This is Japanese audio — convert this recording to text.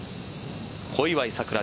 小祝さくら